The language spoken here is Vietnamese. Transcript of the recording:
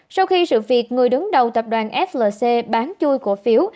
sau khi sự việc người đứng đầu tập đoàn flc bán chui cổ phiếu